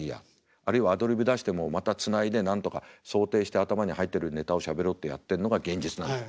あるいはアドリブ出してもまたつないでなんとか想定して頭に入ってるネタをしゃべろうってやってんのが現実なんです